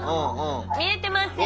見えてますよ。